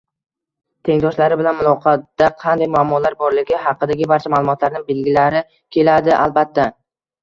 tengdoshlari bilan muloqotda qanday muammolar borligi haqidagi barcha maʼlumotlarni bilgilari keladi, albatta.